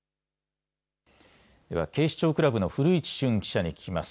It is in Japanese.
では警視庁クラブの古市駿記者に聞きます。